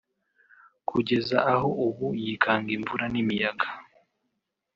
kugeza aho ubu yikanga imvura n’imiyaga